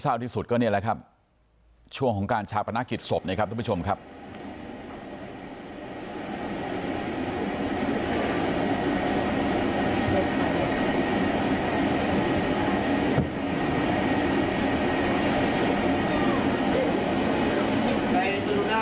ครอบครัวไม่ได้อาฆาตแต่มองว่ามันช้าเกินไปแล้วที่จะมาแสดงความรู้สึกในตอนนี้